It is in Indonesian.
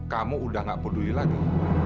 kamu udah gak peduli lagi